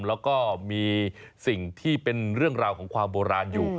แล้วก็มีสิ่งที่เป็นเรื่องราวของความโบราณอยู่